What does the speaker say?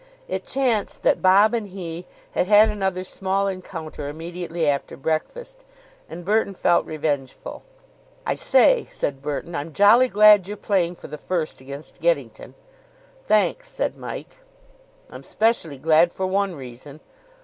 It chanced that Bob and he had had another small encounter immediately after breakfast, and Burton felt revengeful. "I say," said Burton, "I'm jolly glad you're playing for the first against Geddington." "Thanks," said Mike. "I'm specially glad for one reason."